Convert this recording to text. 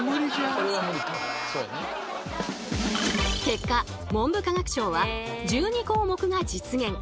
結果文部科学省は１２項目が実現